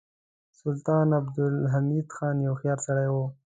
سلطان عبدالحمید خان یو هوښیار سړی و.